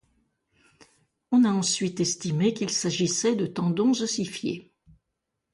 On a ensuite estimé qu'il s'agissait de tendons ossifiés.